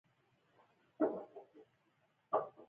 دا مبارزې په هیواد په ختیځو سیمو کې په وقفه يي ډول ختمې شوې.